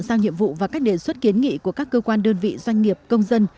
giao nhiệm vụ và các đề xuất kiến nghị của các cơ quan đơn vị doanh nghiệp công dân